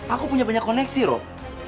aku punya banyak koneksi rob